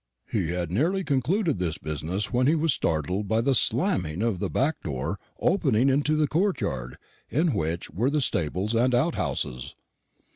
"He had nearly concluded this business when he was startled by the slamming of the back door opening into the courtyard, in which were the stables and outhouses.